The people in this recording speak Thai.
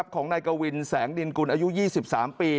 ของนายกวินแสงดินกุลอายุ๒๓ปี